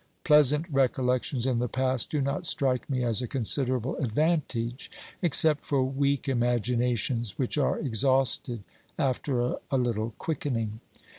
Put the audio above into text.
Pleasant recollections in the past do not strike me as a considerable advantage, except for weak imaginations which are exhausted after a little quickening.